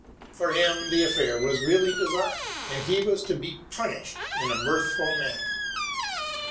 For him the affair was really designed, and he was to be punished in a mirthful manner.